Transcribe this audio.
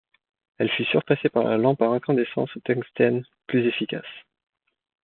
Elle fut surpassée par la lampe à incandescence au tungstène, plus efficace.